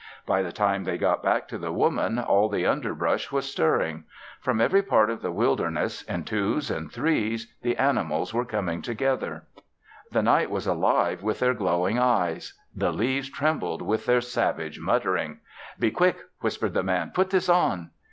By the time they got back to the Woman all the underbrush was stirring. From every part of the wilderness, in twos and threes, the animals were coming together. The night was alive with their glowing eyes; the leaves trembled with their savage muttering. "Be quick," whispered the Man. "Put this on."